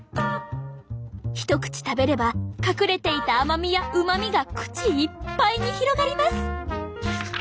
一口食べれば隠れていた甘みやうまみが口いっぱいに広がります。